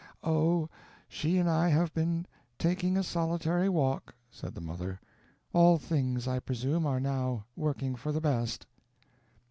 "Oh, she and I have been taking a solitary walk," said the mother; "all things, I presume, are now working for the best."